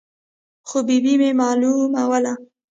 خو ببۍ مې معلوموله.